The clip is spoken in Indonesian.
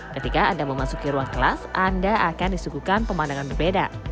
ketika anda memasuki ruang kelas anda akan disuguhkan pemandangan berbeda